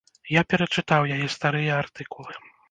Я перачытаў яе старыя артыкулы.